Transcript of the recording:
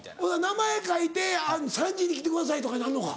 名前書いて３時に来てくださいとかになんのか？